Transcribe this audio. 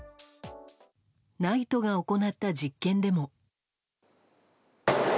ＮＩＴＥが行った実験でも。